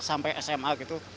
sampai sma gitu